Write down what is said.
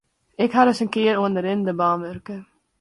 Ik ha ris in kear oan de rinnende bân wurke.